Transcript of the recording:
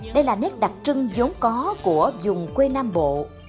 đây là nét đặc trưng giống có của dùng quê nam bộ